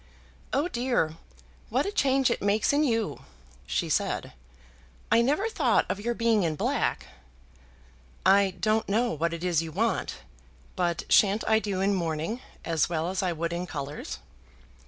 "Oh, dear, what a change it makes in you," she said. "I never thought of your being in black." "I don't know what it is you want, but shan't I do in mourning as well as I would in colours?"